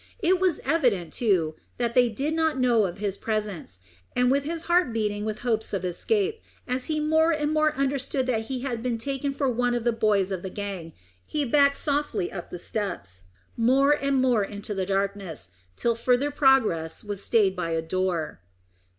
It was evident, too, that they did not know of his presence, and with his heart beating with hopes of escape, as he more and more understood that he had been taken for one of the boys of the gang, he backed softly up the steps, more and more into the darkness, till further progress was stayed by a door.